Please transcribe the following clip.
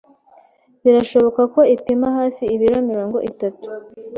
Birashoboka ko ipima hafi ibiro mirongo itatu.